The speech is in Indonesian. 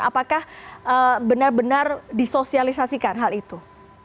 apakah benar benar disosialisasikan hal itu